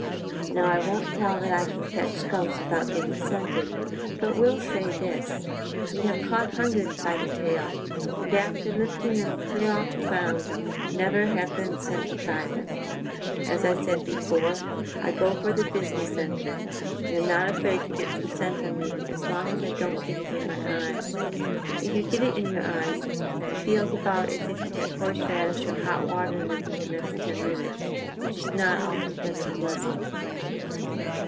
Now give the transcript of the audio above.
"Now I won't tell that I can catch skunks without getting scented, but will say this, we have caught hundreds by the tail, and after lifting them clear off the ground, never have been scented by them. As I said before, I go for the business end of it, and am not afraid to get some scent on me as long as I don't get it in my eyes. If you get it in your eyes, it feels about as if you had horse radish or hot water in them for the next ten minutes, which is not altogether pleasant."